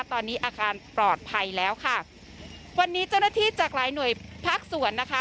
ตอนนี้อาการปลอดภัยแล้วค่ะวันนี้เจ้าหน้าที่จากหลายหน่วยภาคส่วนนะคะ